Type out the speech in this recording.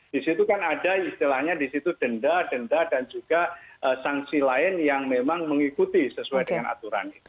disitu kan ada istilahnya disitu denda denda dan juga sanksi lain yang memang mengikuti sesuai dengan aturan